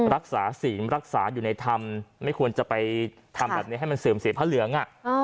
รักษาศีลรักษาอยู่ในธรรมไม่ควรจะไปทำแบบนี้ให้มันเสื่อมเสียพระเหลือง